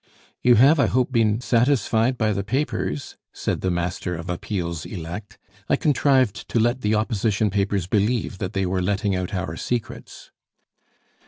"You have, I hope, been satisfied by the papers," said the Master of Appeals elect. "I contrived to let the Opposition papers believe that they were letting out our secrets."